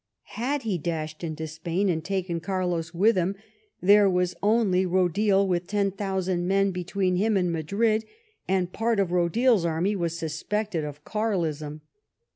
Had he dashed into Spain, and taken Carlos with him, there was only Rodil with ten thousand men between him and Madrid, and part of Bodil's army was suspected of Carlism.